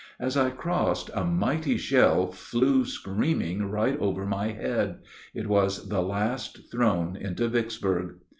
As I crossed a mighty shell flew screaming right over my head. It was the last thrown into Vicksburg.